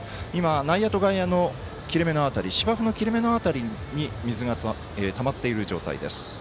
内野と外野の切れ目の辺り芝生の切れ目の辺りに水がたまっている状態です。